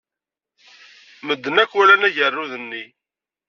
Medden akk walan agerrud-nni.